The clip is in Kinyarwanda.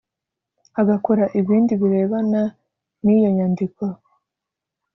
Agakora ibindi birebana n iyo nyandiko